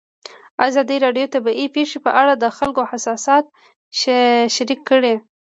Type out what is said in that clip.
ازادي راډیو د طبیعي پېښې په اړه د خلکو احساسات شریک کړي.